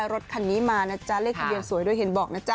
รถคันนี้มานะจ๊ะเลขทะเบียนสวยด้วยเห็นบอกนะจ๊